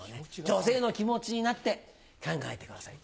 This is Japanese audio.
女性の気持ちになって考えてください。